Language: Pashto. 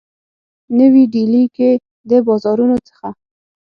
نوي ډیلي کي د بازارونو څخه